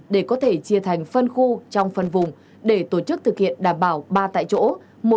để có thể chia thành phân khu trong phân vùng để tổ chức thực hiện đảm bảo ba tại chỗ